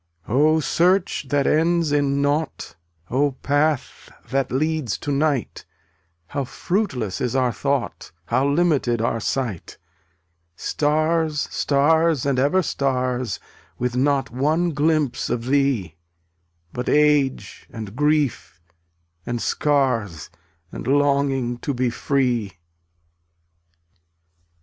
284 Oh, search that ends in nought; Oh, path that leads to night, How fruitless is our thought, How limited our sight. Stars, stars and ever stars With not one glimpse of Thee, But age — and grief — and scars, And longing to be free.